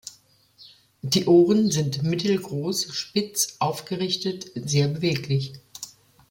Die Ohren sind mittelgroß, spitz, aufgerichtet, sehr beweglich.